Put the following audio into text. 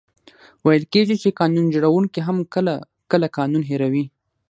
ویل کېږي چي قانون جوړونکې هم کله، کله قانون هېروي.